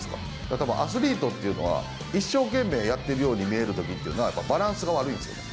たぶん、アスリートっていうのは一生懸命やっているように見えるときっていうのはやっぱりバランスが悪いんですよね。